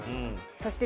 そして。